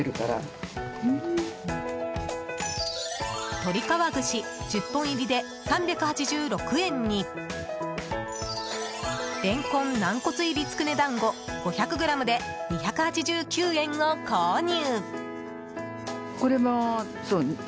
鶏皮串１０本入りで３８６円にレンコン軟骨入つくね団子５００ｇで２８９円を購入。